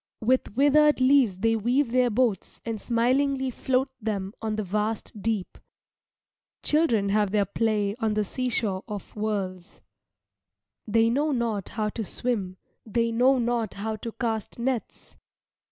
With withered leaves they weave their boats and smilingly float them on the vast deep. Children have their play on the seashore of worlds. They know not how to swim, they know not how to cast nets.